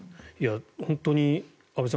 本当に安部さん